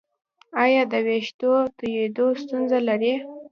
ایا د ویښتو تویدو ستونزه لرئ؟